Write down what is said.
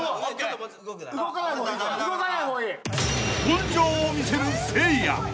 ［根性を見せるせいや］